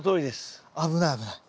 危ない危ない。